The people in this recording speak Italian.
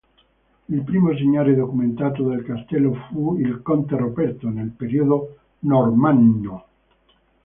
Il primo signore, documentato, del castello fu il "conte Roberto", nel periodo normanno.